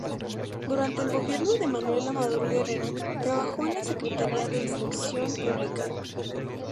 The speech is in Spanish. Durante el gobierno de Manuel Amador Guerrero trabajó en la Secretaría de Instrucción Pública.